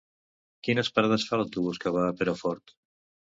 Quines parades fa l'autobús que va a Perafort?